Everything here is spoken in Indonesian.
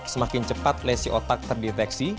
semakin cepat lesi otak terdeteksi